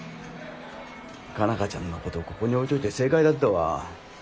佳奈花ちゃんのことここに置いといて正解だったわ。